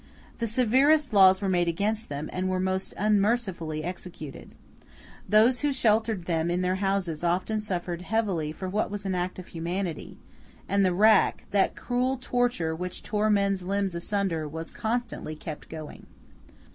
The severest laws were made against them, and were most unmercifully executed. Those who sheltered them in their houses often suffered heavily for what was an act of humanity; and the rack, that cruel torture which tore men's limbs asunder, was constantly kept going.